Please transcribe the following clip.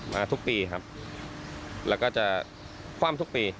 มาทุกปีครับแล้วก็จะคว่ำทุกปี